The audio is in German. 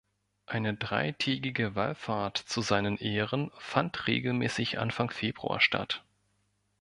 Eine dreitägige Wallfahrt zu seinen Ehren fand regelmäßig Anfang Februar statt.